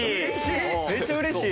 めっちゃ嬉しい！